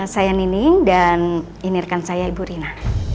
saya nining dan inirkan saya ibu rina